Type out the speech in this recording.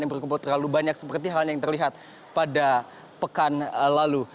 yang berkembang terlalu banyak seperti halnya yang terlihat pada pekan lalu